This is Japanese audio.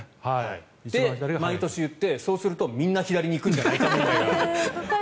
と、毎年言ってそうするとみんな左に行くんじゃないかみたいな。